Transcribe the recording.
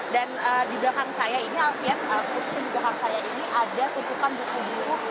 dan di belakang saya ini alkian pus di belakang saya ini ada tumpukan buku buku